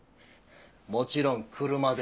もちろん車で。